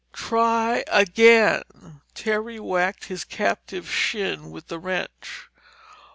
"Try again!" Terry whacked his captive's shin with the wrench.